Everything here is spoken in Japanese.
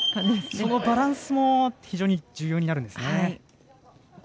そのバランスも非常に重要になるんですね。